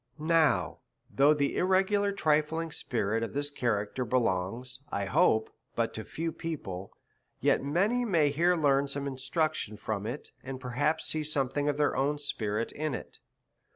Now, though the irregular trifling spirit of this cha racter belongs, I hope, but to few people, yet many may here learn some instruction from it, and perhaps see something of their own spirit in it.